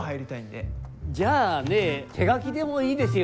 じゃあねえ手書きでもいいですよ。